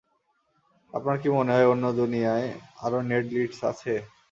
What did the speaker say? আপনার কি মনে হয় অন্য দুনিয়ায় আরো নেড লিডস আছে?